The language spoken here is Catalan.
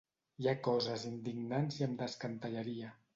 Hi ha coses indignants i em descantellaria.